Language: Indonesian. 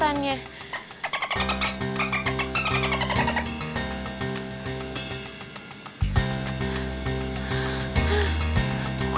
saya juga ikut pak